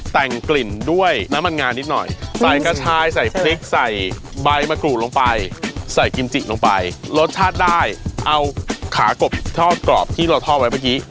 แต่งกลิ่นด้วยน้ำมันงานนิดหน่อยใส่กระชายใส่พริกใส่ใบมะกรูดลงไปใส่กิมจิลงไปรสชาติได้เอาขากบทอดกรอบที่เราทอดไว้เมื่อกี้